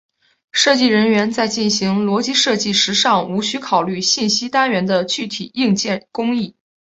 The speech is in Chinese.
设计人员在进行逻辑设计时尚无需考虑信息单元的具体硬件工艺。